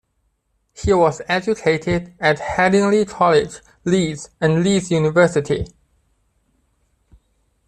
He was educated at Headingley College, Leeds, and Leeds University.